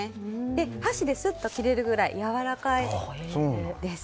箸ですっと切れるぐらいやわらかいです。